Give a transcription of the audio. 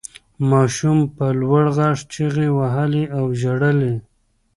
ماشوم په لوړ غږ چیغې وهلې او ژړل یې.